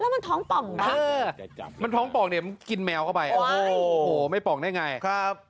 แล้วมันท้องป้องหรือเปล่าจับไม่ได้ครับ